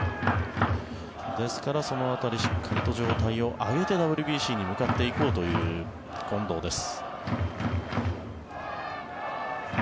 ですからその辺り調子を上げてＷＢＣに向かっていこうという近藤です。